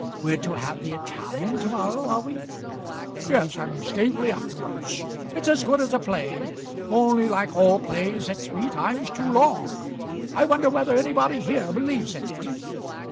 "We're to have the Italian to morrow, are we?" "Yes; and Staveley afterwards. It's as good as a play; only, like all plays, it's three times too long. I wonder whether anybody here believes in it?"